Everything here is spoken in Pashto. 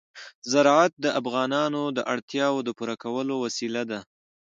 زراعت د افغانانو د اړتیاوو د پوره کولو وسیله ده.